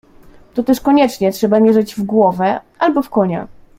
"To też koniecznie trzeba mierzyć w głowę, albo w konia."